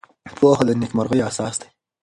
پوهه د نېکمرغۍ اساس دی.